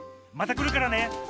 またくるからね。